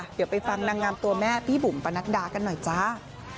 เดี๋ยวไปฟังนางงามตัวแม่พี่บุ๋มปนัดดากันหน่อยจ้า